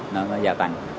nó gia tăng